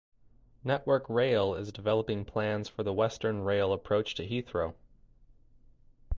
Network Rail is developing plans for the Western Rail Approach to Heathrow.